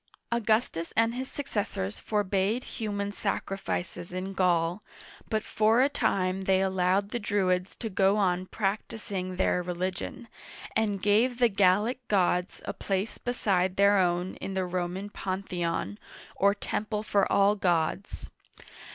Augustus and his successors forbade human sacrifices in Gaul, but for a time they allowed the Druids to go on • practicing their religion, and gave the Gallic gods a place beside their own in the Roman Panthe'on, or temple for all gods.